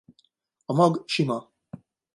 A mag sima.